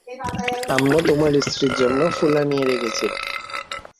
আমরা তোমার স্ত্রীর জন্যে ফুল আনিয়ে রেখেছি।